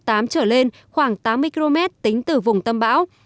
vị trí tâm bão trở lên khoảng tám mươi km tính từ vùng tâm bão